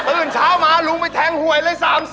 ตื่นเช้ามาลุงไปแทงหวยเลย๓๐